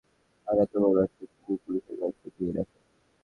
আর এত বড় একটা কুকুর পুলিশের গাড়িতে কে রাখে?